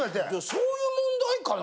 そういう問題かな？